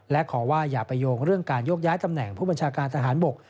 และขอว่าอย่าไปโยงเรื่องการโยกย้ายตำแหน่งผู้บัญชาการทหารบก